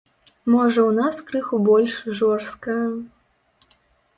Можа ў нас крыху больш жорсткая.